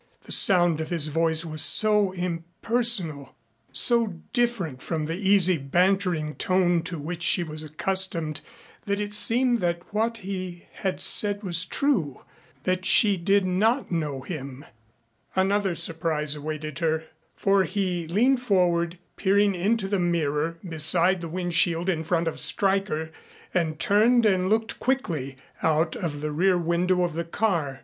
The sound of his voice was so impersonal, so different from the easy bantering tone to which she was accustomed, that it seemed that what he had said was true that she did not know him. Another surprise awaited her, for he leaned forward, peering into the mirror beside the wind shield in front of Stryker and turned and looked quickly out of the rear window of the car.